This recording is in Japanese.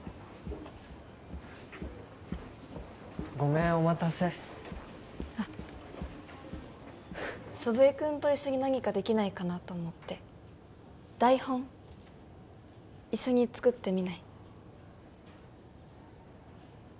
ごめんお待たせあっ祖父江君と一緒に何かできないかなと思って台本一緒に作ってみない？